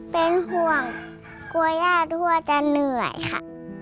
เป็นห่วงกลัวย่าทั่วจะเหนื่อยค่ะ